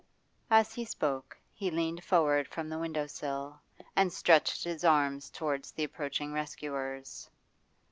As he spoke, he again leaned forward from the window sill, and stretched his arms towards the approaching rescuers.